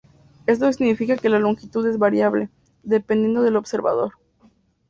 Esto significa que la longitud es variable, dependiendo del observador.